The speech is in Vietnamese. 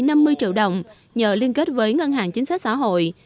nhờ bài năm mươi triệu đồng nhờ liên kết với ngân hàng chính sách xã hội